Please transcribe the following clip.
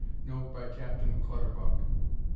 Note by Captain Clutterbuck.